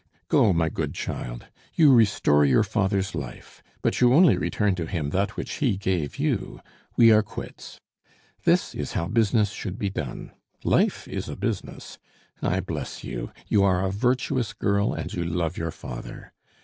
"Go, my good child, you restore your father's life; but you only return to him that which he gave you: we are quits. This is how business should be done. Life is a business. I bless you! you are a virtuous girl, and you love your father.